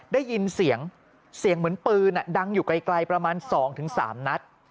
ได้ยินเสียงเสียงเหมือนปืนดังอยู่ไกลประมาณ๒๓นัด